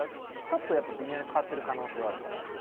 ちょっとやっぱ微妙に変わってる可能性はあるから。